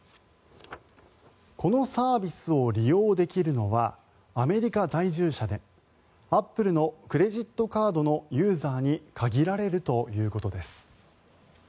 このサービスを利用できるのはアメリカ在住者でアップルのクレジットカードのユーザーに限られるということです。